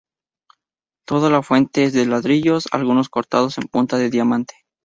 Toda la fuente es de ladrillos, algunos cortados en punta de diamante.